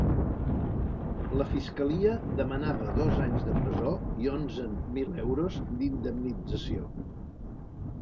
La fiscalia demanava dos anys de presó i onzen mil euros d’indemnització.